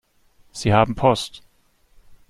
Sie haben Post.